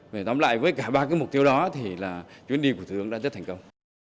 phải tóm lại với cả ba cái mục tiêu đó thì là chuyến đi của thủ tướng đã rất thành công